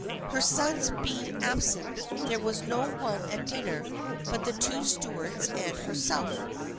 Her sons be ing absent, there was no one at dinner but the two Stuarts and herself.